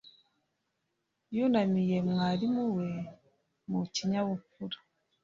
Yunamiye mwarimu we mu kinyabupfura.